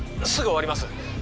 すぐ終わります！